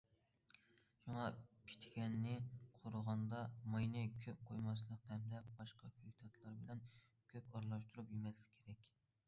شۇڭا پىدىگەننى قورۇغاندا ماينى كۆپ قۇيماسلىق ھەمدە باشقا كۆكتاتلار بىلەن كۆپ ئارىلاشتۇرۇپ يېمەسلىك كېرەك.